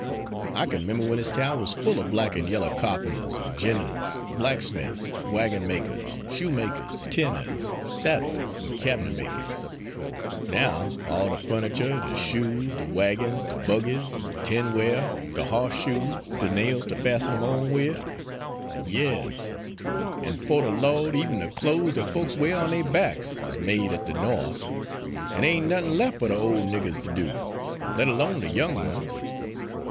I kin 'member when dis town was full er black an' yaller carpenters an' 'j'iners, blacksmiths, wagon makers, shoemakers, tinners, saddlers an' cab'net makers. Now all de fu'nicher, de shoes, de wagons, de buggies, de tinware, de hoss shoes, de nails to fasten 'em on wid yas, an' fo' de Lawd! even de clothes dat folks wears on dere backs, is made at de Norf, an' dere ain' nothin' lef' fer de ole niggers ter do, let 'lone de young ones.